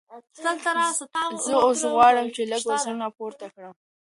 زه اوس غواړم چې لږ وزنونه پورته کړم.